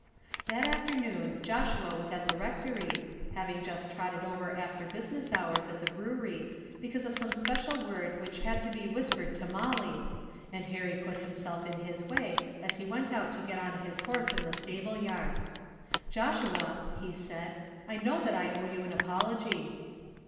That afternoon Joshua was at the rectory, having just trotted over after business hours at the brewery because of some special word which had to be whispered to Molly, and Harry put himself in his way as he went out to get on his horse in the stable yard. "Joshua," he said, "I know that I owe you an apology."